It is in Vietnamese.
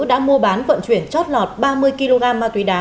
đã mua bán vận chuyển chót lọt ba mươi kg ma túy đá